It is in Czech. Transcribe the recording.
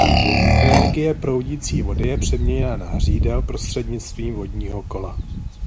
Energie proudící vody je přenášena na hřídel prostřednictvím vodního kola.